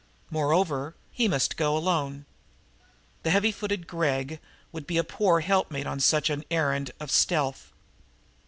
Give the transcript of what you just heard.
Moreover, he must go alone. The heavy footed Gregg would be a poor helpmate on such an errand of stealth.